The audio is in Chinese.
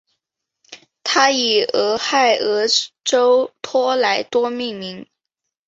它以俄亥俄州托莱多命名。